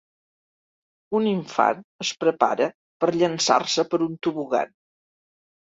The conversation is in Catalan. Un infant es prepara per llançar-se per un tobogan.